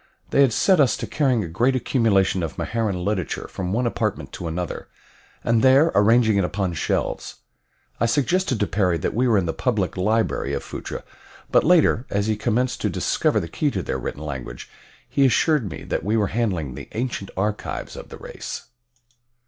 They had set us to carrying a great accumulation of Maharan literature from one apartment to another, and there arranging it upon shelves. I suggested to Perry that we were in the public library of Phutra, but later, as he commenced to discover the key to their written language, he assured me that we were handling the ancient archives of the race.